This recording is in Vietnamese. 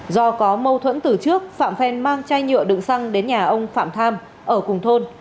do có mâu thuẫn từ trước phạm phen mang chai nhựa đựng xăng đến nhà ông phạm tham ở cùng thôn